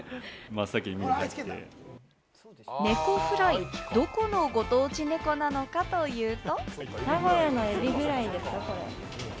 ネコフライ、どこのご当地ネコなのかというと。